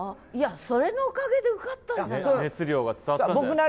それのおかげで受かったんじゃない？